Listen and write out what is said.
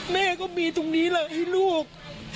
แม่ก็มีตรงนี้แหละให้ลูก